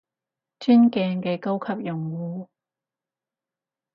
尊敬嘅高級用戶